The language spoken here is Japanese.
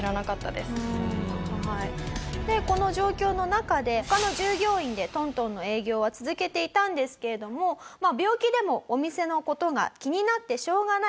でこの状況の中で他の従業員で東東の営業は続けていたんですけれども病気でもお店の事が気になってしょうがない